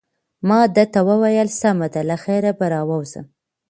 ما ده ته وویل: سمه ده، له خیره به راووځم.